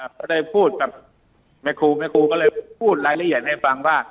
ก็ได้พูดกับแม่ครูแม่ครูก็เลยพูดรายละเอียดให้ฟังว่า